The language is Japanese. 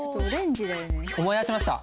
思い出しました。